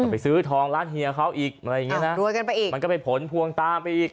ไปซื้อทองร้านเฮียเขาอีกมันก็ไปผลพวงตาไปอีก